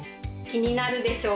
気になるでしょ？